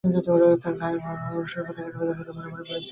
তাঁরা গাড়িবহরটিকে অনুসরণ করতে গিয়ে সেগুলো জঙ্গিদের মনে করে গুলি চালান।